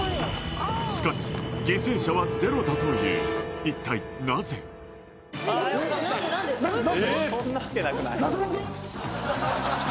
しかし犠牲者はゼロだという一体なぜああよかった何で？